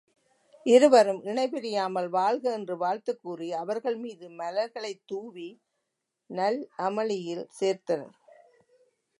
இருவரும் இணை பிரியாமல் வாழ்க என்று வாழ்த்துக் கூறி அவர்கள் மீது மலர்களைத் தூவி நல்லமளியில் சேர்த்தனர்.